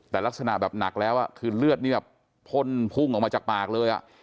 แต่ลักษณะแบบหนักแล้วคือเลือดนี่แบบพ่นพุ่งออกมาจากปากเลย